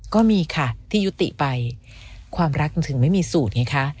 ก็มีค่ะที่ยุติไปความรักมันถึงไม่มีสูตรไงคะ